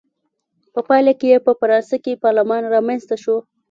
په پایله کې یې په فرانسه کې پارلمان رامنځته شو.